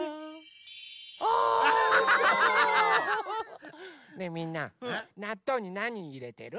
おお！ねえみんななっとうになにいれてる？